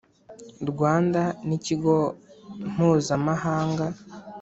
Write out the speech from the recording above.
Rwanda n Ikigo Mpuzama hanga